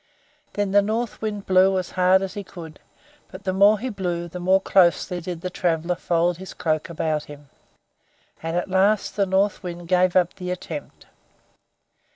Then the North Wind blew as hard as he could, but the more he blew the more closely did the traveler fold his cloak around him; and at last the North Wind gave up the attempt.